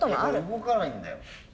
動かないんだよ。